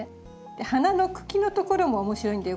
花の茎のところも面白いんだよ